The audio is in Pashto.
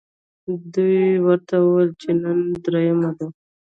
دوی ورته وویل چې نن درېیمه ده.